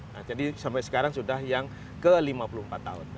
nah jadi sampai sekarang sudah yang ke lima puluh empat tahun